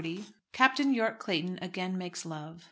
CHAPTER XL. YORKE CLAYTON AGAIN MAKES LOVE.